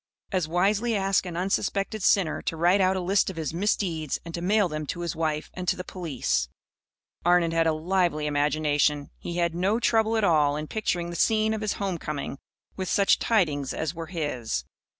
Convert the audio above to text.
As wisely ask an unsuspected sinner to write out a list of his misdeeds and to mail them to his wife and to the police. Arnon had a lively imagination. He had no trouble at all in picturing the scene of his home coming with such tidings as were his.